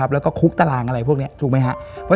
แล้วก็คุกตารางอะไรพวกนี้ถูกไหมครับ